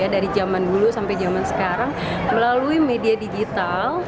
dari zaman dulu sampai zaman sekarang melalui media digital